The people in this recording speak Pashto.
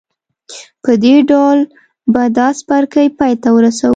په دې ډول به دا څپرکی پای ته ورسوو.